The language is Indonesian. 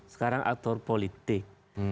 sekarang aktor politik